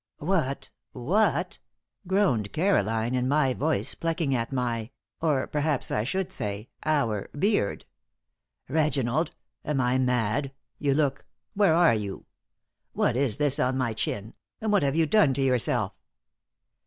"What what " groaned Caroline, in my voice, plucking at my or perhaps I should say our beard. "Reginald, am I mad you look where are you? What is this on my chin and what have you done to yourself?"